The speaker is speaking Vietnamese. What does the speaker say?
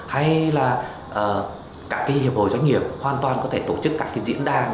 hay là các hiệp hội doanh nghiệp hoàn toàn có thể tổ chức các diễn đàn